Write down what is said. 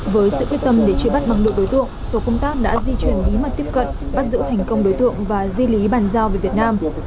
với sự quyết tâm để truy bắt bằng lượng đối tượng tổ công tác đã di chuyển bí mật tiếp cận bắt giữ thành công đối tượng và di lý bàn giao về việt nam